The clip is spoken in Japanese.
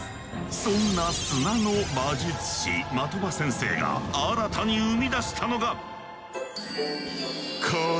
そんな砂の魔術師的場先生が新たに生み出したのが。